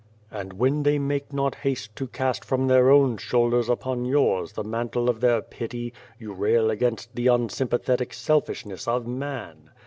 And when they make not haste to cast from their own shoulders upon yours the mantle of their 87 The Face pity, you rail against the unsympathetic selfish ness of man.